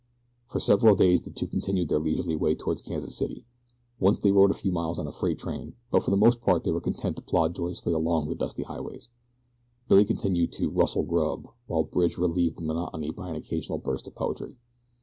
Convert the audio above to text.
For several days the two continued their leisurely way toward Kansas City. Once they rode a few miles on a freight train, but for the most part they were content to plod joyously along the dusty highways. Billy continued to "rustle grub," while Bridge relieved the monotony by an occasional burst of poetry.